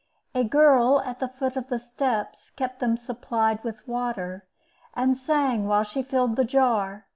A girl at the foot of the steps kept them supplied with water, and sang while she filled the jar.